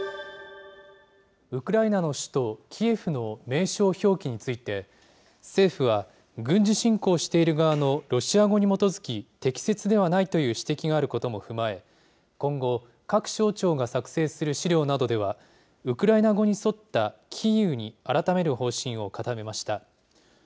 ウクライナの首都キエフの名称表記について、政府は、軍事侵攻している側のロシア語に基づき、適切ではないという指摘があることも踏まえ、今後、各省庁が作成する資料などでは、ウクライナ語に沿ったキーウに改める方針を固めました。